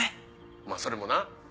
まぁそれもな。